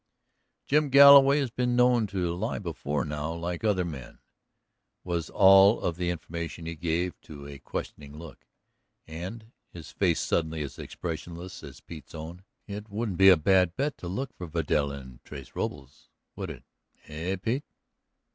"Jim Galloway has been known to lie before now, like other men," was all of the information he gave to the questioning look. "And," his face suddenly as expressionless as Pete's own, "it wouldn't be a bad bet to look for Vidal in Tres Robles, would it? Eh, Pete?"